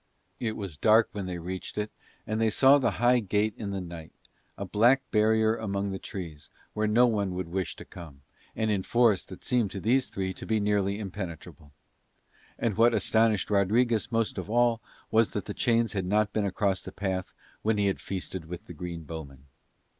It was dark when they reached it and they saw the high gate in the night, a black barrier among the trees where no one would wish to come, and in forest that seemed to these three to be nearly impenetrable. And what astonished Rodriguez most of all was that the chains had not been across the path when he had feasted with the green bowmen.